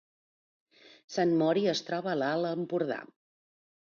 Sant Mori es troba a l’Alt Empordà